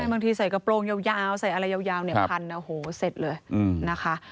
บางทีใส่กระโปรงยาวใส่อะไรยาวเนี่ยพันโอ้โหเสร็จเลยนะคะ